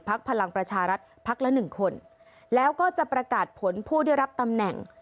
พลังประชารัฐพักละหนึ่งคนแล้วก็จะประกาศผลผู้ได้รับตำแหน่ง